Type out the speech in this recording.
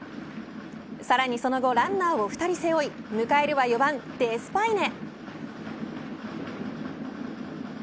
さらにその後ランナーを２人背負い迎えるは４番デスパイネ。